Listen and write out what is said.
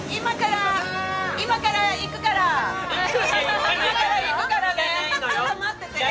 今から行くからね、ちょっと待ってて。